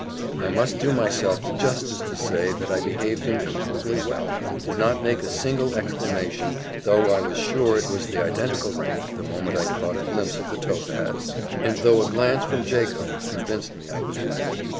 I must do myself the justice to say that I behaved incomparably well did not make a single exclamation, though I was sure it was the identical ring, the moment I caught a glimpse of the topaz and though a glance from Jacob convinced me I was right.